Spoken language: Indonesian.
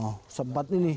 oh sempat ini